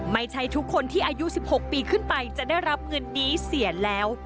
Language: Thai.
ไม่ใช่ทุกคนที่อายุ๑๖ปีขึ้นไปจะได้รับเงินนี้เสียแล้ว